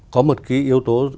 có một cái yếu tố